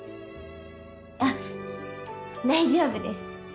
あっ大丈夫です。